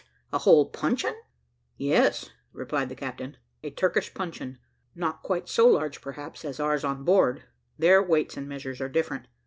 a whole puncheon?" "Yes," replied the captain, "a Turkish puncheon not quite so large, perhaps, as ours on board; their weights and measures are different.